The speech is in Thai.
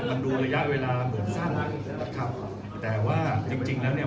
มันดูระยะเวลาเหมือนสั้นมากที่สุดนะครับแต่ว่าจริงจริงแล้วเนี่ย